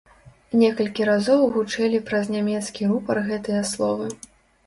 Некалькі разоў гучэлі праз нямецкі рупар гэтыя словы.